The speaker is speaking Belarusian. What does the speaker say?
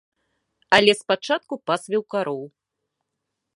Але спачатку пасвіў кароў.